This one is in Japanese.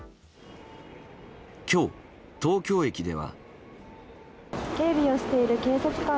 今日、東京駅では。